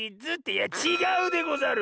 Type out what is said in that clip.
いやちがうでござる！